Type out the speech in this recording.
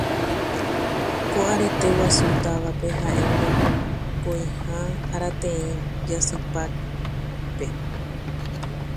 La fiesta Mayor del pueblo es el segundo domingo de octubre.